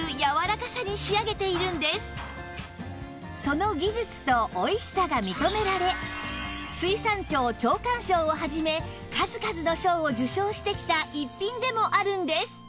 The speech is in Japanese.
その技術と美味しさが認められ水産庁長官賞を始め数々の賞を受賞してきた逸品でもあるんです